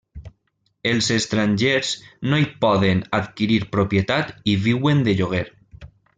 Els estrangers no hi poden adquirir propietat i viuen de lloguer.